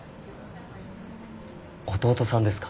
弟さんですか？